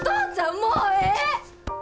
もうええ！